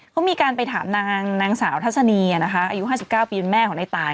ก็มีการไปถามนางนางสาวทัศนีนะคะอายุ๕๙ปีเป็นแม่ของไอ้ตาน